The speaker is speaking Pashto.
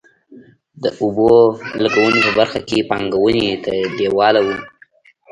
د اوبو لګونې په برخه کې پانګونې ته لېواله وو.